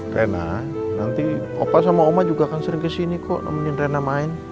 oke nah nanti opa sama oma juga akan sering kesini kok nemenin rena main